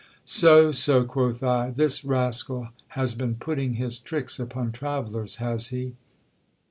So, so ! quoth I, this rascal has been putting his tricks upon travellers, has he